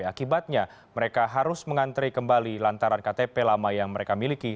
akibatnya mereka harus mengantri kembali lantaran ktp lama yang mereka miliki